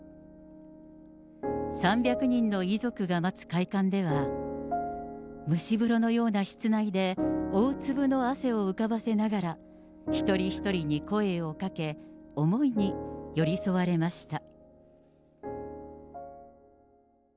３００人の遺族が待つ会館では、蒸し風呂のような室内で大粒の汗を浮かばせながら、一人一人に声をかけ、思いに寄り添われました。